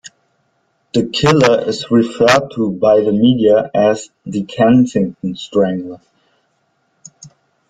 The killer is referred to by the media as "The Kensington Strangler".